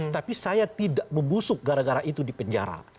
tapi saya tidak membusuk gara gara itu di penjara